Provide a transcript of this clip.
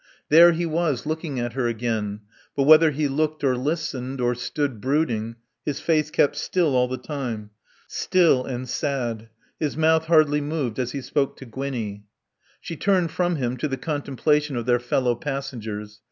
There, he was looking at her again. But whether he looked or listened, or stood brooding, his face kept still all the time, still and sad. His mouth hardly moved as he spoke to Gwinnie. She turned from him to the contemplation of their fellow passengers.